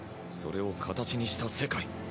それを形にした世界。